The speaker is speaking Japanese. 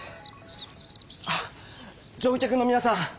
あっ乗客のみなさん！